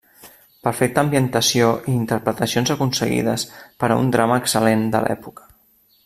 Perfecta ambientació i interpretacions aconseguides per a un drama excel·lent de l'època.